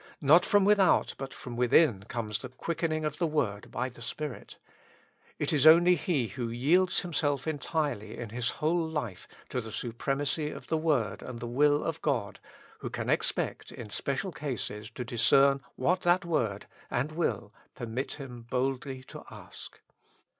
Not from without, but from within, comes the quickening of the word by the Spirit. It is only he who yields himself entirely in his whole life to the supremacy of the word and the will of God, who can expect in special cases to discern what that word and will permit him boldly to ask.